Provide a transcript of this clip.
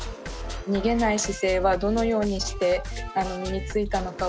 逃げない姿勢はどのようにして身についたのかを。